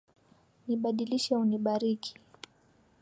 Nibadilishe unibariki.